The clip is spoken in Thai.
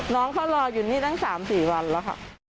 น้องเขารออยู่นี่ตั้ง๓๔วันแล้วค่ะ